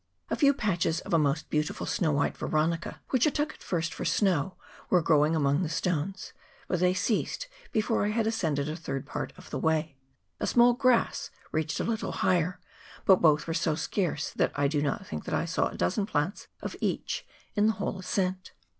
A few patches of a most beautiful snow white Veronica, which I at first took for snow, were growing among the stones, but they ceased before I had ascended a third part of the way. A small grass reached a little higher, but both were so scarce that I do not think I saw a dozen plants of each in the whole ascent.